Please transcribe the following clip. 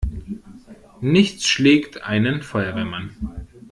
Nichts schlägt einen Feuerwehrmann!